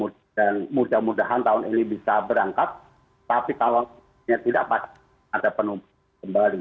dan mudah mudahan tahun ini bisa berangkat tapi kalau tidak pasti ada penumpusan kembali